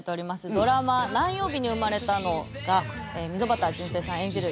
ドラマ「何曜日に生まれたの」が溝端淳平さん演じる